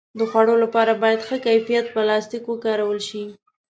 د خوړو لپاره باید ښه کیفیت پلاستيک وکارول شي.